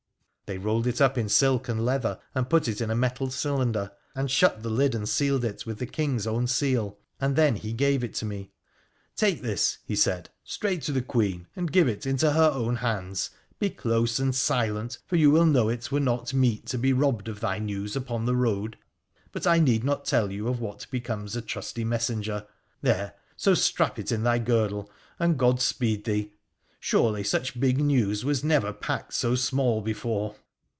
They rolled it up in silk and leather and put it in a metal cylinder, and shut the lid and sealed it with the King's own seal, and then he gave it to me. ' Take this,' he said, ' straight to the Queen, and give it into her own hands. Be close and silent, for you will know it were not meet to be robbed of thy news upon the road : but I need not tell you of what becomes a trusty messenger. There ! so, strap it in thy girdle, and God speed thee — surely such big news was never packed so small before.'